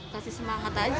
kasih semangat aja buat dia